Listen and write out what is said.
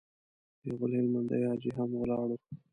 يو بل هلمندی حاجي هم ولاړ و.